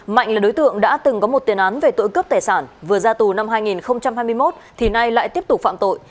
mạnh là đối tượng đã từng có một tiền án về tội cướp tài sản vừa ra tù năm hai nghìn hai mươi một thì nay lại tiếp tục phạm tội